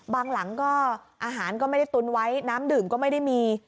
หลังก็อาหารก็ไม่ได้ตุนไว้น้ำดื่มก็ไม่ได้มี